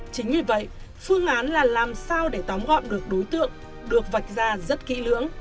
chính vì vậy phương án là làm sao để tóm gọn được đối tượng được vạch ra rất kỹ lưỡng